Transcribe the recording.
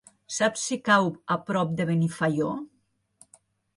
Saps si cau a prop de Benifaió?